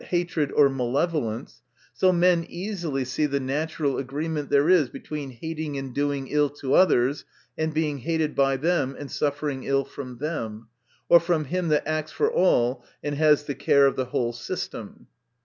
hatred or malevolence, so men easily see the natural agreement there is between hating and doing ill to others, and being hated by them and suffering ill by them, or from him that acts for all and has the care of" the whole system.